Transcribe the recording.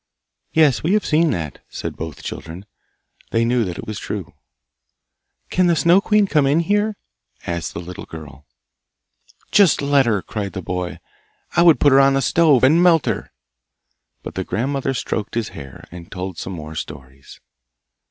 'Yes, we have seen that,' said both children; they knew that it was true. 'Can the Snow queen come in here?' asked the little girl. 'Just let her!' cried the boy, 'I would put her on the stove, and melt her!' But the grandmother stroked his hair, and told some more stories.